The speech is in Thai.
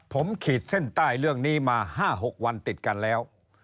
ผมขีดเส้นใต้เรื่องนี้มา๕๖วันติดกันแล้ว